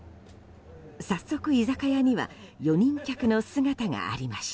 早速居酒屋には４人客の姿がありました。